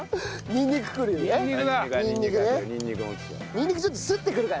にんにくあるか？